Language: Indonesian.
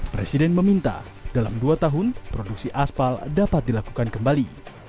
presiden meminta dalam dua tahun produksi aspal dapat dilakukan kembali